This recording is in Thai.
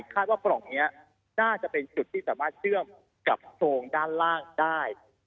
ปล่องนี้น่าจะเป็นจุดที่สามารถเชื่อมกับโซงด้านล่างได้